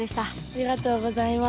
ありがとうございます。